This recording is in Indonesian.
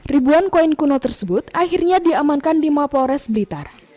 ribuan koin kuno tersebut akhirnya diamankan di mapores blitar